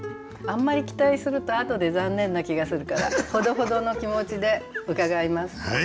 あんまり期待すると後で残念な気がするからほどほどの気持ちで伺います。